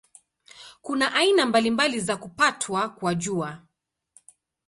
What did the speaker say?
Kuna aina mbalimbali za kupatwa kwa Jua.